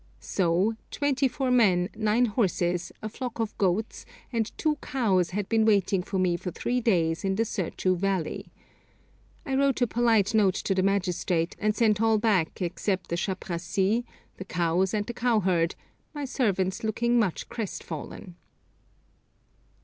So twenty four men, nine horses, a flock of goats, and two cows had been waiting for me for three days in the Serchu valley. I wrote a polite note to the magistrate, and sent all back except the chaprassie, the cows, and the cowherd, my servants looking much crestfallen.